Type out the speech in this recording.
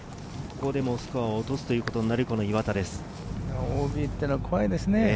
ここでもスコアを落とすということになる岩田です。